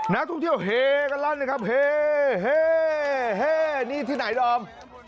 นักท่องเที่ยวเฮกันลั่นเลยครับเฮเฮ่นี่ที่ไหนดอม